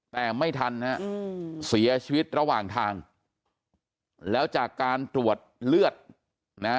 แต่ไม่ทันนะฮะเสียชีวิตระหว่างทางแล้วจากการตรวจเลือดนะฮะ